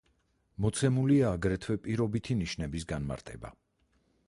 მოცემულია აგრეთვე პირობითი ნიშნების განმარტება.